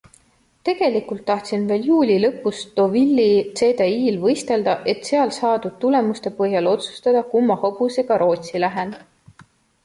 Tegelikult tahtsin veel juuli lõpus Deauville'i CDI'l võistelda, et seal saadud tulemuste põhjal otsustada, kumma hobusega Rootsi lähen.